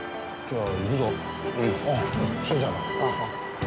ああ。